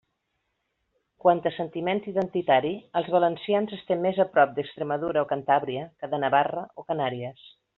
Quant a sentiment identitari els valencians estem més a prop d'Extremadura o Cantàbria que de Navarra o Canàries.